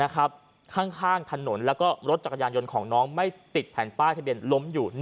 ข้างถนนแล้วก็รถจักรยานยนต์ของน้องไม่ติดแผ่นป้ายทะเบียนล้มอยู่